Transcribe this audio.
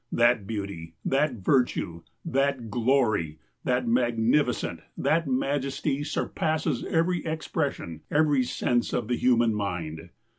That beauty, that virtue, that glory, that magnificence, that majesty, surpasses every expression, every sense of the human mind.